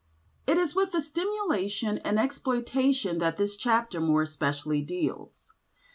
It is with the stimulation and exploitation that this chapter more especially deals.